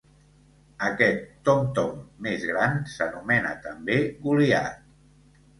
Aquest tom-tom més gran s'anomena també goliat.